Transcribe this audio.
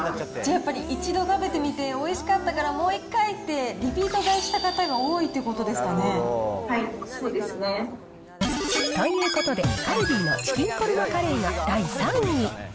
やっぱり、一度食べてみて、おいしかったからもう一回ってリピート買いした方が多いってことはい、そうですね。ということで、カルディのチキンコルマカレーが第３位。